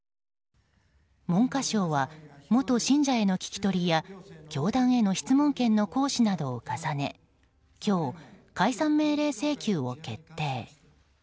文科省は、元信者への聞き取りや教団への質問権の行使などを重ね今日、解散命令請求を決定。